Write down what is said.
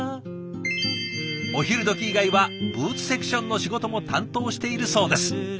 お昼どき以外はブーツセクションの仕事も担当しているそうです。